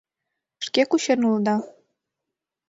— Шке кучен улыда?